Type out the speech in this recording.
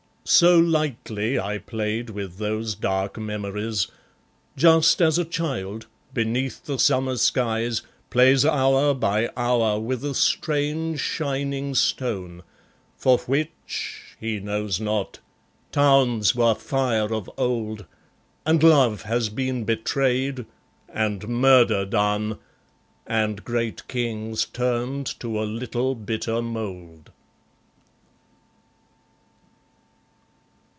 So lightly I played with those dark memories, Just as a child, beneath the summer skies, Plays hour by hour with a strange shining stone, For which (he knows not) towns were fire of old, And love has been betrayed, and murder done, And great kings turned to a little bitter mould.